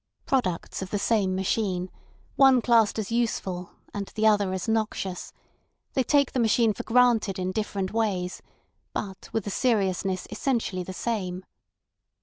Products of the same machine, one classed as useful and the other as noxious, they take the machine for granted in different ways, but with a seriousness essentially the same.